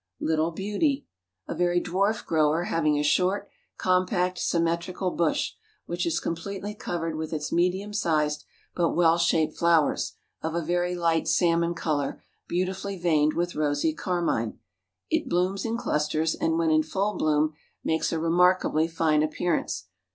Little Beauty, "A very dwarf grower, having a short, compact, symmetrical bush, which is completely covered with its medium sized but well shaped flowers, of a very light salmon color, beautifully veined with rosy carmine. It blooms in clusters and when in full bloom makes a remarkably fine appearance.